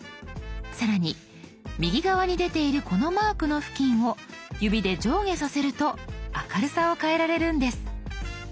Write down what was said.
更に右側に出ているこのマークの付近を指で上下させると明るさを変えられるんです。